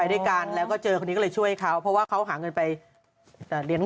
ได้ก่อนแล้วก็เจอคนนี้ก็เลยช่วยเขาเพราะว่าเขาหาเงินไปเดี๋ยวเรียน